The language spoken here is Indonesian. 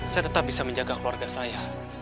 saya tetap bisa menjaga keluarga saya